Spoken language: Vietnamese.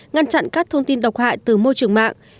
ngăn chặn các thông tin độc hại từ môi trường mạng